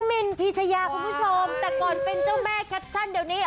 มินพีชยาคุณผู้ชมแต่ก่อนเป็นเจ้าแม่แคปชั่นเดี๋ยวนี้